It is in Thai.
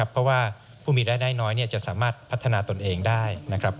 เพราะว่าผู้มีรายได้น้อยจะสามารถพัฒนาตนเองได้นะครับ